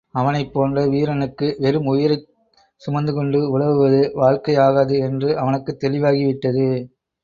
அவனைப் போன்ற வீரனுக்கு வெறும் உயிரைக் சுமந்துகொண்டு உலவுவது வாழ்க்கை ஆகாது என்று அவனுக்குத் தெளிவாகிவிட்டது.